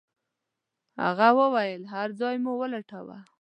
هغې وويل هر ځای مو ولټاوه.